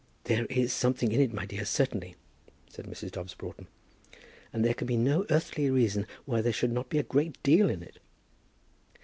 "There is something in it, my dear, certainly," said Mrs. Dobbs Broughton; "and there can be no earthly reason why there should not be a great deal in it."